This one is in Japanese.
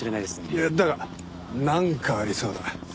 いやだがなんかありそうだ。